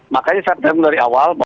makanya saya berterima kasih dari awal